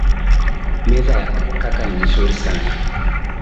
Meza ya kaka ni nzuri sana